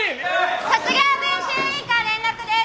卒業文集委員から連絡です！